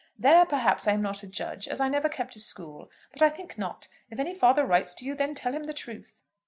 "There, perhaps, I am not a judge, as I never kept a school; but I think not. If any father writes to you, then tell him the truth."